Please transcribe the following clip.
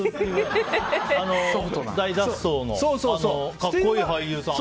あの「大脱走」の格好いい俳優さん。